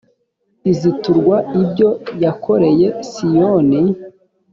iziturwa ibyo yakoreye siyoni